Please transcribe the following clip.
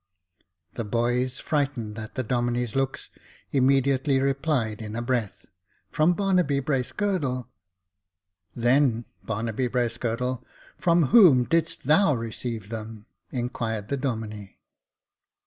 The boys, frightened at the Domine's looks, immediately replied in a breath, " From Barnaby Bracegirdle." "Then, Barnaby Bracegirdle, from whom didst thou receive them ?" inquired the Domine.